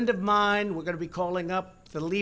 dalam dunia ini tidak banyak orang yang melihatnya